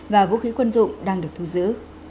và vũ khí quân dụng đang được thu giữ